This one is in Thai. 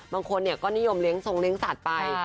บางคนก็นิยมเลี้ยทรงเลี้ยสัตว์ไป